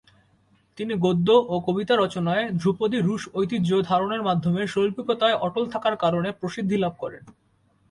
তিনি গদ্য ও কবিতা রচনায় ধ্রুপদী রুশ ঐতিহ্য ধারণের মাধ্যমে শৈল্পিকতায় অটল থাকার কারণে প্রসিদ্ধি লাভ করেন।